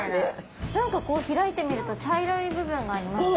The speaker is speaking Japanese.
何かこう開いてみると茶色い部分がありますね。